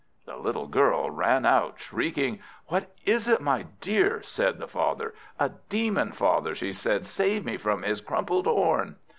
The little girl ran out shrieking. "What is it, my dear?" said her father. "A demon, father!" she said; "save me from his crumpled horn."